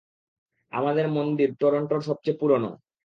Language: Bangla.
আমাদের মন্দির টরন্টোর সবচেয়ে পুরনো।